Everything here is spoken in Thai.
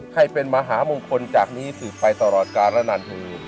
ใครเป็นมหามงคลจากนี้ถือไปตลอดกาลนานภูมิ